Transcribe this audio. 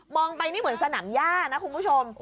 ไปนี่เหมือนสนามย่านะคุณผู้ชม